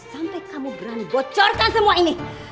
sampai kamu berani bocorkan semua ini